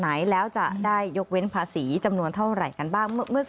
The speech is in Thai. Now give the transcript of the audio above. ไหนแล้วจะได้ยกเว้นภาษีจำนวนเท่าไหร่กันบ้าง